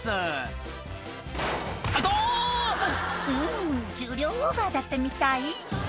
「ん重量オーバーだったみたい」